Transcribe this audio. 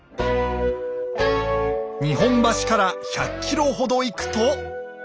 日本橋から１００ｋｍほど行くと。